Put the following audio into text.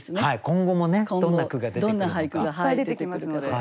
今後もねどんな句が出てくるのか。